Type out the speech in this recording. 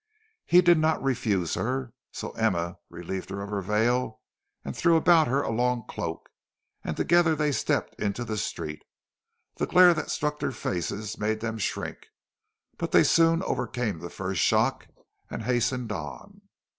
He did not refuse her; so Emma relieved her of her veil and threw about her a long cloak, and together they stepped into the street. The glare that struck their faces made them shrink, but they soon overcame the first shock and hastened on.